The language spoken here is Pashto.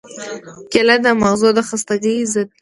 کېله د مغزو د خستګۍ ضد ده.